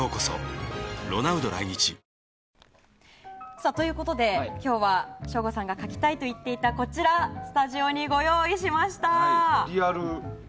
わかるぞということで今日は省吾さんが描きたいと言っていたこちらスタジオにご用意しました。